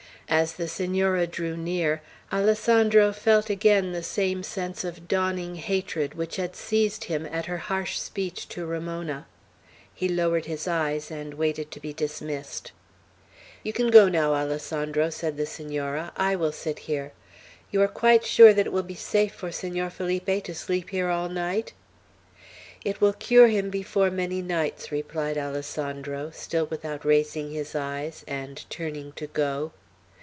As the Senora drew near, Alessandro felt again the same sense of dawning hatred which had seized him at her harsh speech to Ramona. He lowered his eyes, and waited to be dismissed. "You can go now, Alessandro," said the Senora. "I will sit here. You are quite sure that it will be safe for Senor Felipe to sleep here all night?" "It will cure him before many nights," replied Alessandro, still without raising his eyes, and turning to go.